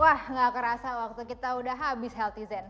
wah gak kerasa waktu kita udah habis healthy zen